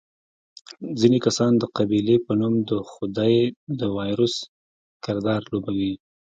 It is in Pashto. ځینې کسان د قبیلې په نوم د خدۍ د وایروس کردار لوبوي.